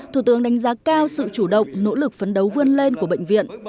thủ tướng đánh giá cao sự chủ động nỗ lực phấn đấu vươn lên của bệnh viện